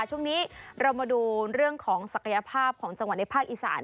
ช่วงนี้เรามาดูเรื่องของศักยภาพของจังหวัดในภาคอีสาน